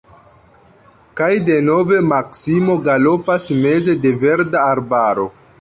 Kaj denove Maksimo galopas meze de verda arbaro!